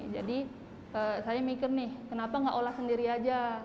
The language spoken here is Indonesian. jadi saya mikir nih kenapa nggak olah sendiri aja